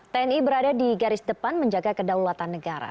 tni berada di garis depan menjaga kedaulatan negara